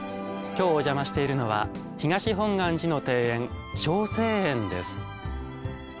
今日お邪魔しているのは東本願寺の庭園渉成園です。